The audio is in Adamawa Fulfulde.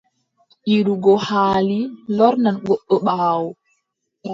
Yiddugo haali lornan goɗɗo ɓaawo.